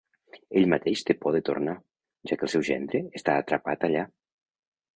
Ell mateix té por de tornar, ja que el seu gendre està atrapat allà.